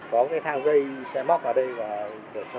có cái thang dây sẽ móc vào đây và được cho